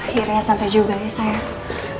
akhirnya sampe juga ya sayang